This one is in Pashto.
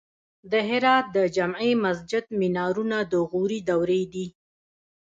د هرات د جمعې مسجد مینارونه د غوري دورې دي